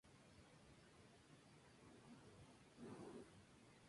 Cursó Humanidades, Teología y Derecho.